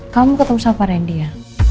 kamu ketemu sama randy ya